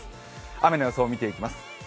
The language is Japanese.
雨の予想を見ていきます。